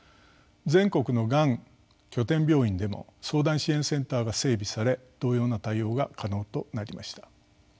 全国のがん拠点病院でも相談支援センターが整備され同様な対応が可能となりました。